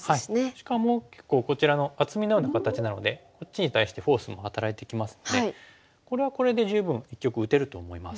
しかも結構こちらの厚みのような形なのでこっちに対してフォースも働いてきますのでこれはこれで十分一局打てると思います。